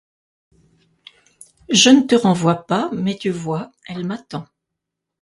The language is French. Je ne te renvoie pas, mais tu vois, elle m'attend.